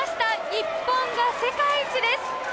日本が世界一です。